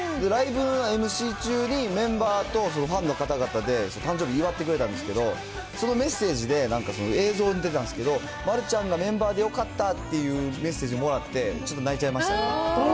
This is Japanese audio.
ライブのＭＣ中にメンバーとファンの方々で誕生日祝ってくれたんですけど、そのメッセージで、なんか映像に出たんですけど、丸ちゃんがメンバーでよかったっていうメッセージをもらって、ちょっと泣いちゃいましたね。